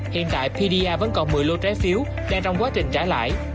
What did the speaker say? hiện tại pda vẫn còn một mươi lô trái phiếu đang trong quá trình trả lại